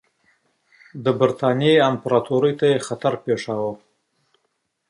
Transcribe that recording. د برټانیې امپراطوري یې تهدیدوله.